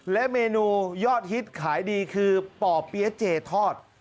และเมนูยอดฮิตขายดีคือป่อเปี๊ยะเจทอด